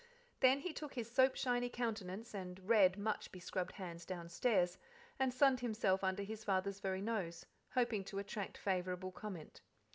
Then he took his soap shiny countenance and red, much bescrubbed hands downstairs, and sunned himself under his father's very nose, hoping to attract favourable comment.